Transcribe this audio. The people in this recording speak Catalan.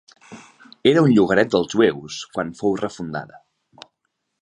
Era un llogaret dels jueus quan fou refundada.